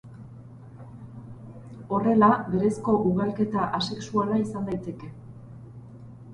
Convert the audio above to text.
Horrela, berezko ugalketa asexuala izan daiteke.